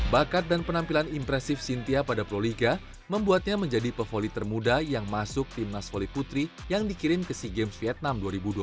bakat dan penampilan impresif cynthia pada proliga membuatnya menjadi pevoli termuda yang masuk timnas voli putri yang dikirim ke sea games vietnam dua ribu dua puluh tiga